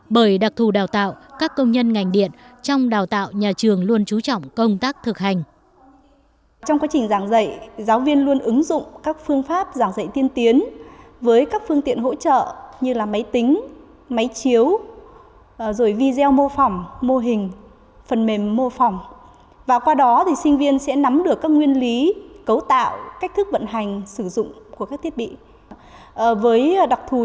bởi đặc thù đào tạo các công nhân ngành điện trong đào tạo nhà trường luôn trú trọng công tác thực hành